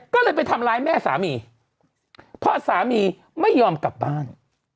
ก็เลยไปทำร้ายแม่สามีเพราะสามีไม่ยอมกลับบ้าน